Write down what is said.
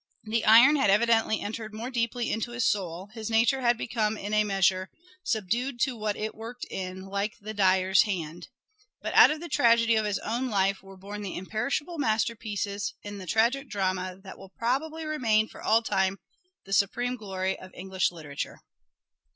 The iron had evidently entered more deeply into his soul, his nature had become in a measure " subdued to what it worked in, like the dyer's hand," but out of the tragedy of his own life were born the imperishable masterpieces in tragic drama that will probably remain for all time the supreme glory of English literature.